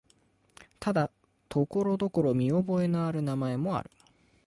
ただ、ところどころ見覚えのある名前もある。